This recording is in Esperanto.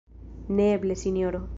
Neeble, Sinjoro!